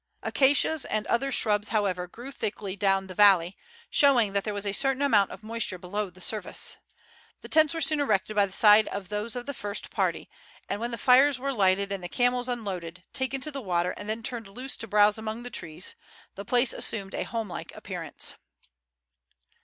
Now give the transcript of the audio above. Acacias and other shrubs, however, grew thickly down the valley, showing that there was a certain amount of moisture below the surface. The tents were soon erected by the side of those of the first party, and when the fires were lighted and the camels unloaded, taken to the water and then turned loose to browse among the trees, the place assumed a home like appearance.